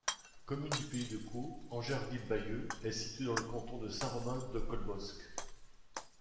Commune du pays de Caux, Angerville-Bailleul est située dans le canton de Saint-Romain-de-Colbosc.